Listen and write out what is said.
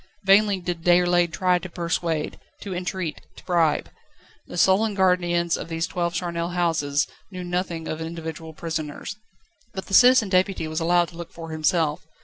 Vainly did Déroulède try to persuade, to entreat, to bribe. The sullen guardians of these twelve charnel houses knew nothing of individual prisoners. But the Citizen Deputy was allowed to look for himself.